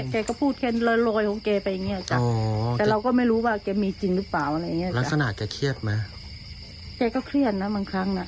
แกก็เครียดนะบางครั้งนะ